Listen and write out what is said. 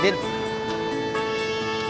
bakal bisa pak ben